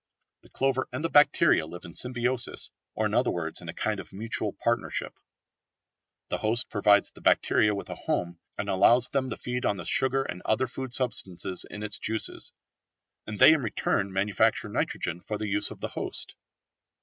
The clover and the bacteria live in Symbiosis, or in other words in a kind of mutual partnership. The host provides the bacteria with a home and allows them to feed on the sugar and other food substances in its juices, and they in return manufacture nitrogen for the use of the host.